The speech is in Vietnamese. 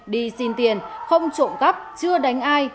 đi xin tiền không trộm cắp chưa đánh ai